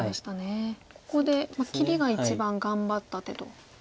ここで切りが一番頑張った手と。